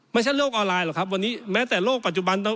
ไม่ใช่โลกออนไลน์หรอกครับวันนี้แม้แต่โลกปัจจุบัน